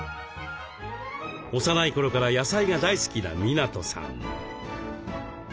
幼い頃から野菜が大好きな湊さん。